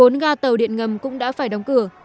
một mươi bốn nga tàu điện ngầm cũng đã phải đóng cửa